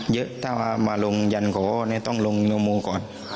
เยอะถ้ามาลงอย่างของก็ต้องลงโนโม่ก่อน